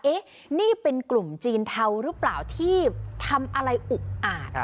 เอ๊ะนี่เป็นกลุ่มจีนเทาหรือเปล่าที่ทำอะไรอุกอาจ